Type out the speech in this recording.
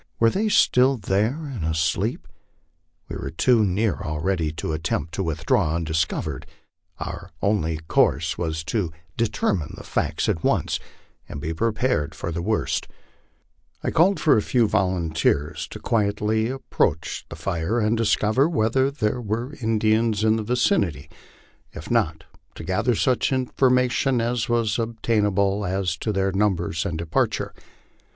Were they still there and asleep? We were too near already to attempt to withdraw undiscovered. Our only course was to de 158 LIFE ON THE PLAINS. terraine the facts at once, and be prepared for the worst. I called for a few volunteers to quietly approach the tire and discover whether there were Indians in the vicinity; if not, to gather such information as was obtainable, as to their numbers and departure.